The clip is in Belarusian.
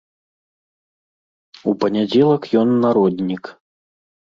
У панядзелак ён народнік.